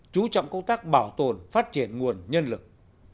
chú trọng công tác bảo tồn phát triển nguồn nhân lực